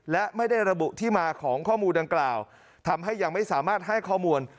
และไม่ได้ระบุที่มาของข้อมูลดังกล่าวทำให้ยังไม่สามารถให้ข้อมูล